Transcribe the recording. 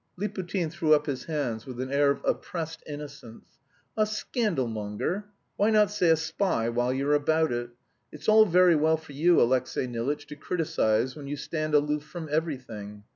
Liputin threw up his hands with an air of oppressed innocence. "A scandal monger! Why not say a spy while you're about it? It's all very well for you, Alexey Nilitch, to criticise when you stand aloof from everything.